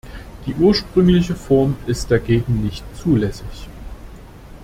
Die ursprüngliche Form ist dagegen nicht zulässig.